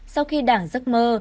sau khi đảng giấc mơ